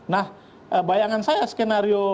nah bayangan saya skenario